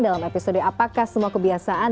dalam episode apakah semua kebiasaan